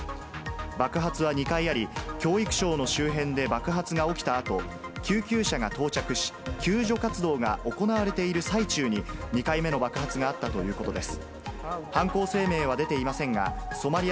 爆発は２回あり、教育省の周辺で爆発が起きたあと、救急車が到着し、救助活動が行われている最中に、さて、こちらは東京・渋谷の現在の様子です。